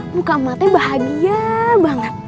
muka emaknya bahagia banget